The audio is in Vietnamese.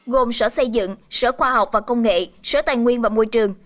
gồm sở xây dựng sở khoa học và công nghệ sở tài nguyên và môi trường